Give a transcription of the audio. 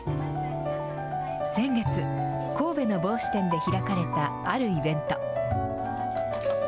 先月、神戸の帽子店で開かれた、あるイベント。